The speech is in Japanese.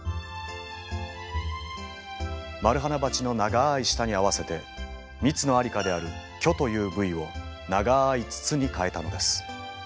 マルハナバチの長い舌に合わせて蜜のありかである距という部位を長い筒に変えたのです。